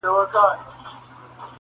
o خو زړې نښې لا شته تل,